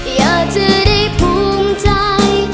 อยากจะได้ภูมิใจ